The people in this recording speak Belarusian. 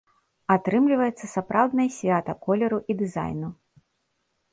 Атрымліваецца сапраўднае свята колеру і дызайну.